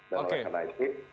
dan orang yang naik itu